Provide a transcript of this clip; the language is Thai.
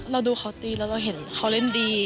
เราดูเขาตีแล้วเราเห็นเขาเล่นดี